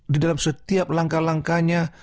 di dalam setiap langkah langkahnya